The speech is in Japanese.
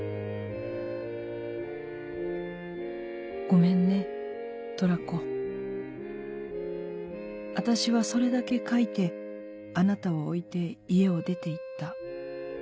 「『ごめんねとらこ』。あたしはそれだけ書いてあなたを置いて家を出て行った」。